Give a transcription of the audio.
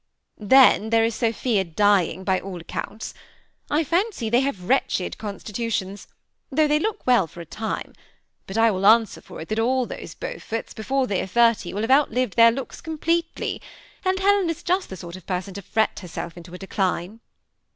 Then there is Sophia dying, by all accounts. I fancy they have wretched constitu tions, though they look well for a time; but I will answer for it that all those Beauforts, before they are thirty, will have outlived their looks completely, and Helen is just the sort of person to fret herself into a decline."